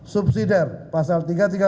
subsidiary pasal tiga ratus tiga puluh delapan